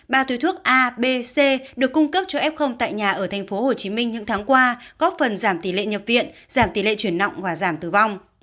ba túi thuốc a b c được cung cấp cho f tại nhà ở tp hcm những tháng qua góp phần giảm tỷ lệ nhập viện giảm tỷ lệ chuyển nọng và giảm tử vong